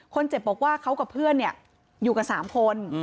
คนเจ็บบอกว่าเขากับเพื่อนอยู่กัน๓คน